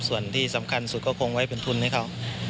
ส่วนที่สำคัญสุดก็คงไว้เป็นทุนให้เขา